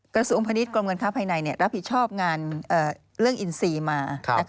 กฎสูงพนิษฐ์กรมเงินค้าภายในรับผิดชอบงานเรื่องอินทรีย์มา